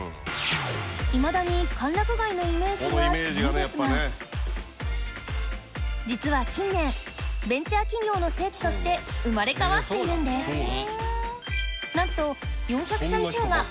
いまだに歓楽街のイメージが強いですが実は近年として生まれ変わっているんですなんと